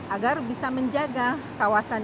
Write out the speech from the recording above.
agar bisa menjaga kawasan